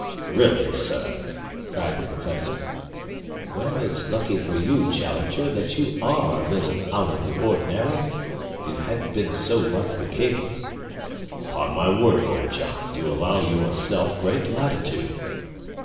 "Really, sir!" cried the Professor. "Well, it's lucky for you, Challenger, that you ARE a little out of the ordinary. If you hadn't been so like the king " "Upon my word, Lord John, you allow yourself great latitude."